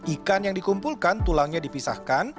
ikan yang dikumpulkan tulangnya dipisahkan